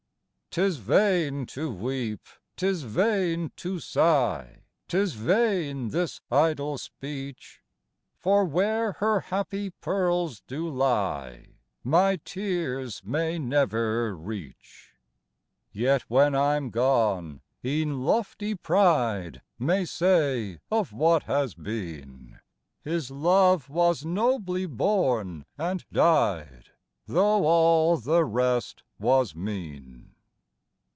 'Tis vain to weep, 'tis vain to sigh, 'Tis vain, this idle speech, For where her happy pearls do lie, My tears may never reach; Yet when I'm gone, e'en lofty pride May say, of what has been, His love was nobly born and died, Though all the rest was mean!